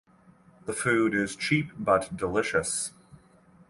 The food is cheap but delicious.